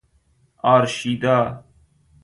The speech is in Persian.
آرشیدا